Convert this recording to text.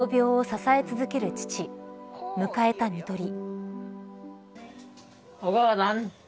闘病を支え続ける父迎えた看取り。